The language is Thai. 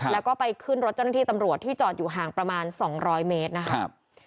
แล้วก็ไปขึ้นรถเจ้าหน้าที่ตำรวจที่จอดอยู่ห่างประมาณ๒๐๐เมตรนะครับ